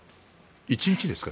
１日ですか？